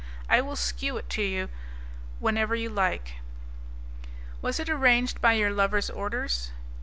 I will shew it to you whenever you like." "Was it arranged by your lover's orders?"